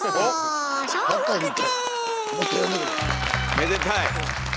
めでたい。